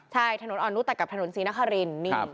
ใช่ถนนอ่อนนุษยตัดกับถนนศรีนคริน